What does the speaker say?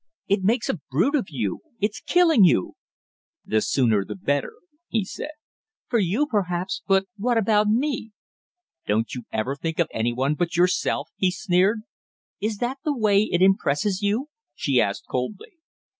"It makes a brute of you; it's killing you!" "The sooner the better," he said. "For you, perhaps; but what about me?" "Don't you ever think of any one but yourself?" he sneered. "Is that the way it impresses you?" she asked coldly.